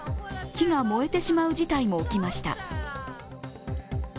木が燃えてしまう事態も起きました。